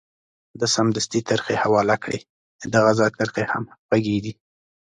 ده سمدستي ترخې حواله کړې، ددغه ځای ترخې هم خوږې دي.